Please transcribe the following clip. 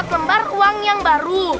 lembar uang yang baru